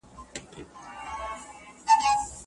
دولت د تخنیک د ودي لپاره بودیجه برابروي.